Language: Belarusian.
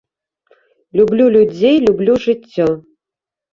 Люблю людзей, люблю жыццё.